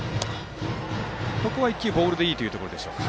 ここは１球ボールでいいというところでしょうか。